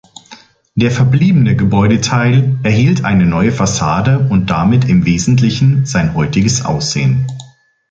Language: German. Der verbliebene Gebäudeteil erhielt eine neue Fassade und damit im Wesentlichen sein heutiges Aussehen.